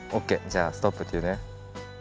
じゃあストップっていうね。